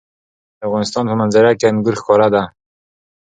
د افغانستان په منظره کې انګور ښکاره ده.